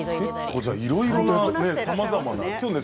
結構じゃあいろいろなさまざまな。